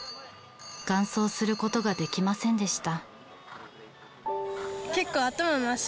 完走することができませんでした。